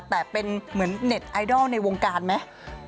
แต่เป็นเหมือนเน็ตไอดอลในวงการไหม